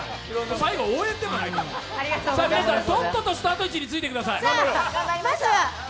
皆さんとっととスタート位置についてください。